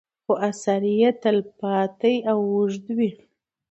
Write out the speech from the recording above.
خو اثر یې تل پاتې او اوږد وي.